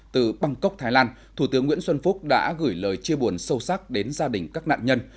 từ bangkok thái lan thủ tướng nguyễn xuân phúc đã gửi lời chia buồn sâu sắc đến gia đình các nạn nhân